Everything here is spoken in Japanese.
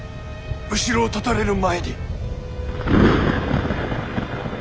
後ろを断たれる前に。